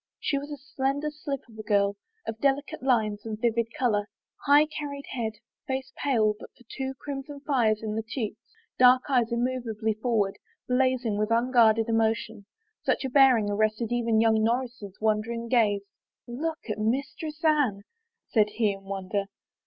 She was a slender slip of a girl, of delicate lines and vivid color. High carried head, face pale but for two crimson fires in the cheeks^ dark eyes immovably forward, blazing with unguarded emotion — such a bearing arrested even young Norris's wandering gaze. " Look at Mistress Anne," said he in wonder.